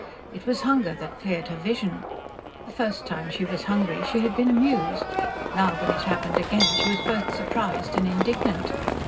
It was hunger that cleared her vision. The first time she was hungry she had been amused. Now when it happened again she was both surprised and indignant.